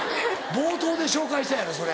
冒頭で紹介したやろそれ。